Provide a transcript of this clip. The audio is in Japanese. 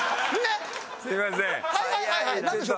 すいません。